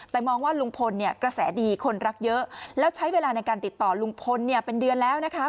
แต่มองว่าลุงพลเนี่ยกระแสดีคนรักเยอะแล้วใช้เวลาในการติดต่อลุงพลเนี่ยเป็นเดือนแล้วนะคะ